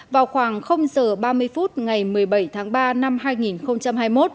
vào khoảng h ba mươi phút ngày một mươi bảy tháng ba năm hai nghìn hai mươi một